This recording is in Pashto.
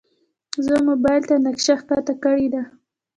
زه موبایل ته نقشه ښکته کړې ده.